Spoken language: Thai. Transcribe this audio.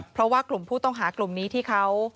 เพราะว่ากลุ่มผู้ต้องหากลุ่มนี้ที่เขา